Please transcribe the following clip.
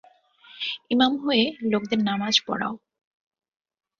ইমাম হয়ে লোকদের নামায পড়াও।